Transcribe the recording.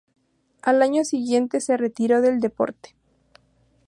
Al año siguiente se retiró del deporte.